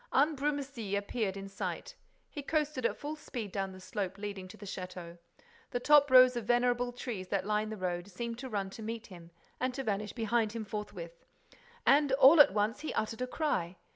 Ambrumésy appeared in sight. He coasted at full speed down the slope leading to the château. The top rows of venerable trees that line the road seemed to run to meet him and to vanish behind him forthwith. And, all at once, he uttered a cry.